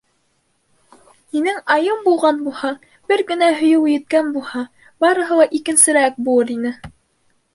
Минең Айым булған булһа, бер генә һөйөү еткән булһа, барыһы ла икенсерәк булыр ине.